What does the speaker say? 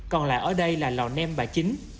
còn lại ở đây là lò nem bà chính